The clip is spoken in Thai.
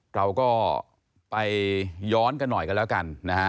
เราก็ไปย้อนกันหน่อยกันแล้วกันนะฮะ